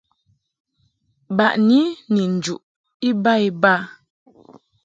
Baʼni ni njuʼ iba iba.